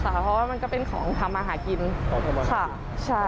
เพราะว่ามันก็เป็นของทำมาหากินค่ะใช่